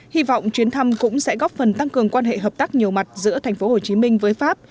hy vọng chuyến thăm cũng sẽ góp phần tăng cường quan hệ hợp tác nhiều mặt giữa tp hcm với pháp